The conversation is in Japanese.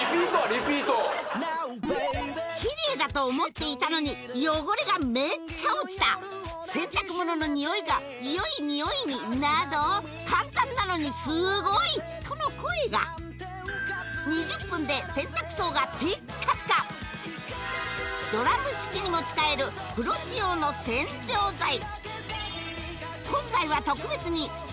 リピートキレイだと思っていたのに汚れがメッチャ落ちた洗濯物のにおいがよいにおいになど簡単なのにすごいとの声が２０分で洗濯槽がピッカピカドラム式にも使えるプロ仕様の洗浄剤